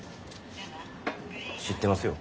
知ってますよ。